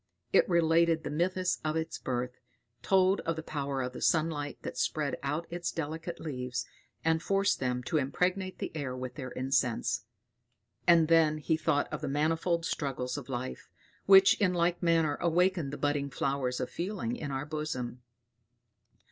It related the mythus of its birth, told of the power of the sun light that spread out its delicate leaves, and forced them to impregnate the air with their incense and then he thought of the manifold struggles of life, which in like manner awaken the budding flowers of feeling in our bosom.